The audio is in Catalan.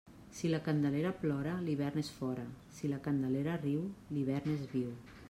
Si la Candelera plora, l'hivern és fora; si la Candelera riu, l'hivern és viu.